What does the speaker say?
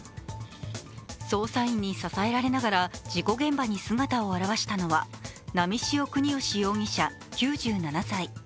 捜査員に支えられながら事故現場に姿を現したのは波汐國芳容疑者９７歳。